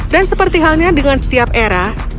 dan seperti halnya dengan setiap era